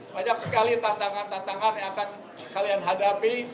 banyak sekali tantangan tantangan yang akan kalian hadapi